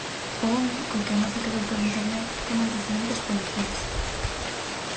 O home, co que a moza quedou por Internet, ten antecedentes policiais.